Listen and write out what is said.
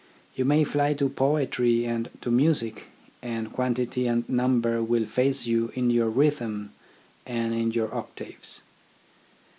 You may fly to poetry and to music, and quantity and number will face you in your rhythms and your octaves.